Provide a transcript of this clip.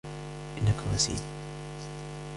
إنك وسيم